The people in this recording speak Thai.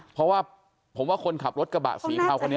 เพราะว่าผมว่าคนขับรถกระบะสีเทาคนนี้